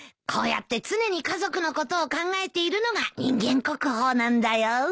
こうやって常に家族のことを考えているのが人間国宝なんだよ。